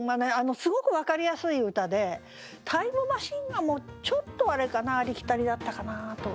すごく分かりやすい歌で「タイムマシン」がちょっとあれかなありきたりだったかなと。